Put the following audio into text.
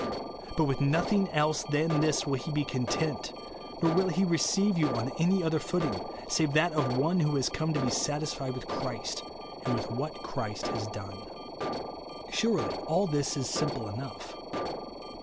But with nothing else than this will he be content, nor will he receive you on any other footing, save that of one who has come to be satisfied with Christ, and with what Christ has done. Surely all this is simple enough.